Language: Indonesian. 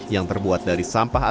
yang terbuat dari sampah